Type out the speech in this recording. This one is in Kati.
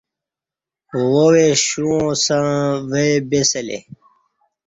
واوے شوں اسݩ ویی بی سلے